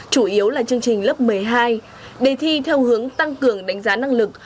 chủ yếu là chương trình lớp một mươi hai đề thi theo hướng tăng cường đánh giá năng lực